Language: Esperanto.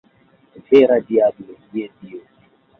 Vera diablo, je Dio!